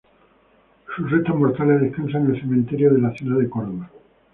Sus restos mortales descansan el cementerio de San Rafael de la ciudad de Córdoba.